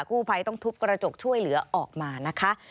กู้ภัยต้องทุบกระจกช่วยเหลือออกมานะคะ